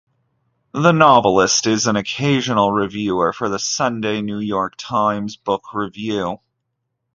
The novelist is an occasional reviewer for the Sunday New York Times Book Review.